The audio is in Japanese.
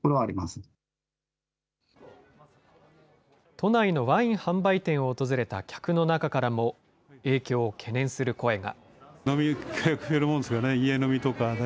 都内のワイン販売店を訪れた客の中からも、影響を懸念する声が。